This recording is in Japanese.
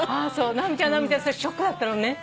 直美ちゃんそれショックだったのね。